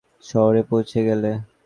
শহরে পৌছে গেলে।